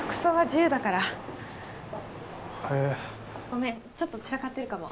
ごめんちょっと散らかってるかも。